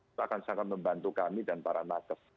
itu akan sangat membantu kami dan para nakes